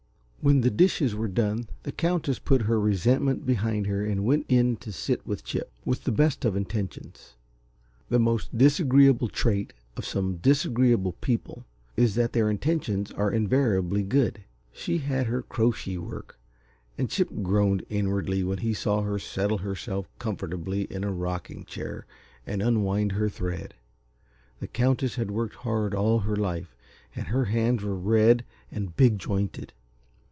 When the dishes were done, the Countess put her resentment behind her and went in to sit with Chip, with the best of intentions. The most disagreeable trait of some disagreeable people is that their intentions are invariably good. She had her "crochy work," and Chip groaned inwardly when he saw her settle herself comfortably in a rocking chair and unwind her thread. The Countess had worked hard all her life, and her hands were red and big jointed.